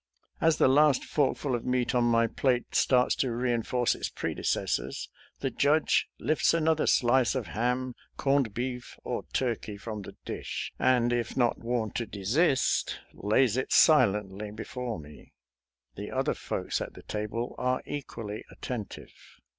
As the last forkful of meat on my plate starts to reinforce its predecessors the Judge lifts another slice of ham, corned beef, or turkey from the dish, and, if not warned to desist, lays it silently before me. The other folks at the table are equally attentive.